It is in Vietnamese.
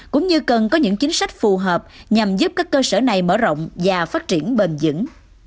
cũng như cần có những chính sách phù hợp nhằm giúp các cơ sở này mở rộng và phát triển bền dững